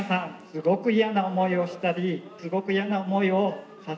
すごく嫌な思いをしたりすごく嫌な思いをさせてしまいました。